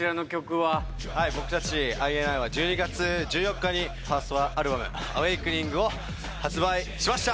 はい僕たちＩＮＩは１２月１４日にファーストアアルバム「Ａｗａｋｅｎｉｎｇ」を発売しました！